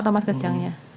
otak mas kejangnya